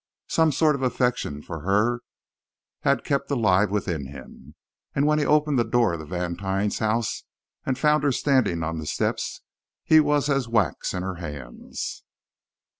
Some sort of affection for her had kept alive within him, and when he opened the door of Vantine's house and found her standing on the steps, he was as wax in her hands.